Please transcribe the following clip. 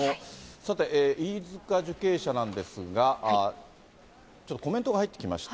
さて、飯塚受刑者なんですが、ちょっとコメントが入ってきました。